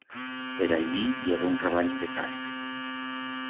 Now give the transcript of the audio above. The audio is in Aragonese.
Per allí i heba un rabanyo de casas.